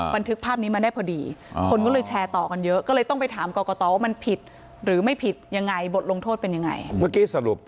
บันทึกภาพนี้มาได้พอดีคนก็เลยแชร์ต่อกันเยอะก็เลยต้องไปถามกรกตว่ามันผิดหรือไม่ผิดยังไงบทลงโทษเป็นยังไงเมื่อกี้สรุป